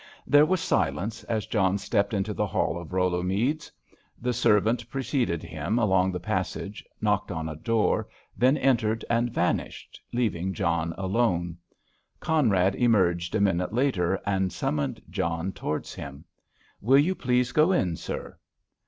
There was silence as John stepped into the hall of Rollo Meads. The servant preceded him along the passage, knocked on a door, then entered, and vanished, leaving John alone. Conrad emerged a minute later, and summoned John towards him. "Will you please go in, sir."